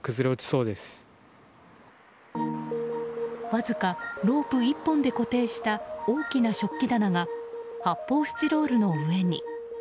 わずかロープ１本で固定した大きな食器棚が発泡スチロールの上に。